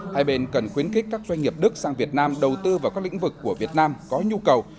hai bên cần khuyến khích các doanh nghiệp đức sang việt nam đầu tư vào các lĩnh vực của việt nam có nhu cầu